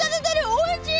おいしい！